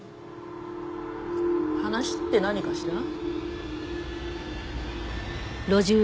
話って何かしら？